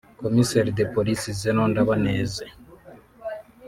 Commissaire de Police Zenon Ndabaneze